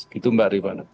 gitu mbak rifat